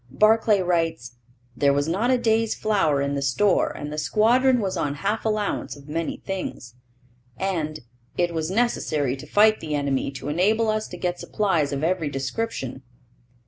Barclay writes, 'There was not a day's flour in the store and the squadron was on half allowance of many things,' and 'it was necessary to fight the enemy to enable us to get supplies of every description.'